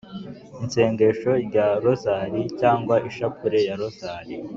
isengesho rya rozari cg ishapure ya rozari »,